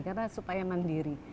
karena supaya mandiri